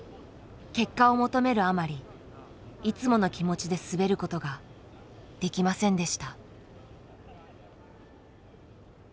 結果を求めるあまりいつもの気持ちで滑ることができませんでした。